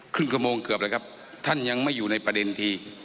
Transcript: ครึ่งกระโมงเกือบเลยครับท่านยังไม่อยู่ในประเด็นที่